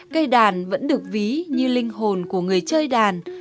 cây đàn vẫn được ví như linh hồn của người chơi đàn